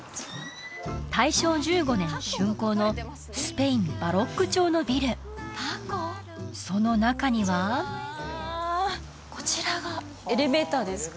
大正１５年竣工のスペインバロック調のビルその中にはこちらがエレベーターですか？